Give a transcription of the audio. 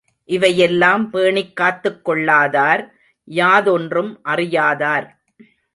இவையெல்லாம் பேணிக் காத்துக்கொள்ளாதார் யாதொன்றும் அறியாதார்!